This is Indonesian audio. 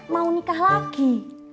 mau nikah lagi